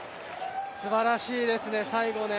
素晴らしいですね、最後ね。